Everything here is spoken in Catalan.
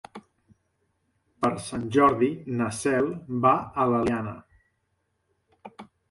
Per Sant Jordi na Cel va a l'Eliana.